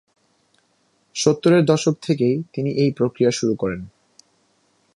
সত্তরের দশক থেকেই তিনি এই প্রক্রিয়া শুরু করেন।